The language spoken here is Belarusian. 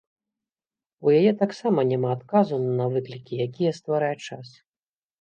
У яе таксама няма адказу на выклікі, якія стварае час.